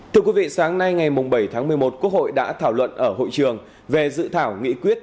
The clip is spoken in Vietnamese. thưa quý vị sáng nay ngày bảy tháng một mươi một quốc hội đã thảo luận ở hội trường về dự thảo nghị quyết